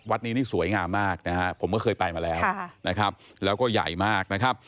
วัดนี้นี่สวยงามมากนะฮะผมก็เคยไปมาแล้วนะครับแล้วก็ใหญ่มากนะครับ